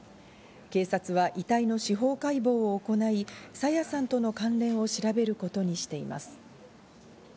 警察は遺体の司法解剖を行い、朝芽さんとの関連を調べることにしています。